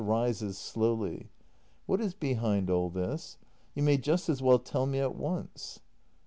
[Rises slowly.] What is behind all this? You may just as well tell me at once.